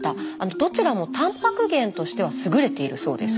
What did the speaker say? どちらもタンパク源としては優れているそうです。